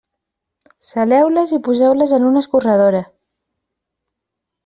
Saleu-les i poseu-les en una escorredora.